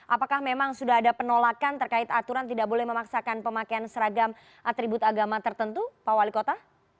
apakah memang sudah ada penolakan terkait aturan tidak boleh memaksakan pemakaian seragam atribut agama tertentu pak wali kota